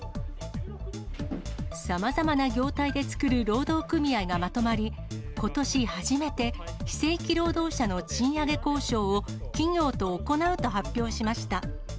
さまざまな業態で作る労働組合がまとまり、ことし初めて、非正規労働者の賃上げ交渉を企業と行うと発表しました。